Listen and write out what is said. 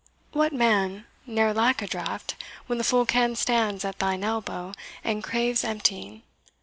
What, man, ne'er lack a draught, when the full can Stands at thine elbow, and craves emptying!